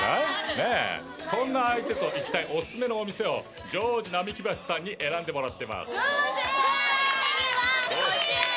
そんな相手と行きたいおすすめのお店をジョージ並木橋さんに選んでもらってます。